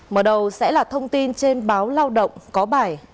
mở đầu sẽ là thông tin trên báo lao động có bài